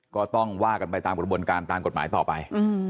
ก็ต้องว่ากันไปตามกระบวนการตามกฎหมายต่อไป